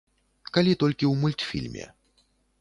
Калі толькі ў мультфільме.